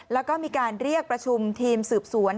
แล้วก็มีการเรียกประชุมทีมสืบสวน